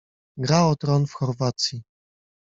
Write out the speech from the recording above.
Gra o Tron w Chorwacji.